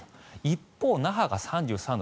一方、那覇が３３度。